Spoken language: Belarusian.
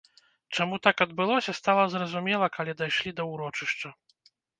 Чаму так адбылося, стала зразумела, калі дайшлі да ўрочышча.